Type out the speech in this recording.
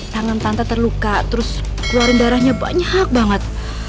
tangan tante terluka terus keluarin darahnya banyak banget